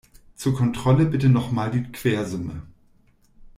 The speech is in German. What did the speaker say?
Zur Kontrolle bitte noch mal die Quersumme.